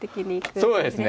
そうですね。